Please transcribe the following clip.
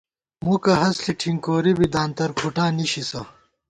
مُکہ ہست ݪِی ٹھِنکوری بی دانترکھُٹا نِشِسہ